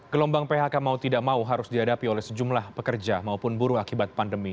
gelombang phk mau tidak mau harus dihadapi oleh sejumlah pekerja maupun buruh akibat pandemi